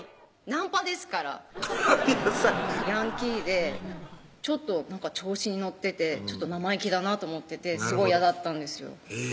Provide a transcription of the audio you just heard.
ナンパですからヤンキーでちょっと調子に乗ってて生意気だなと思っててすごい嫌だったんですよ